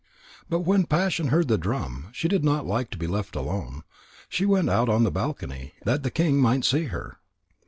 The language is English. But when Passion heard the drum, she did not like to be left alone. She went out on the balcony, that the king might see her.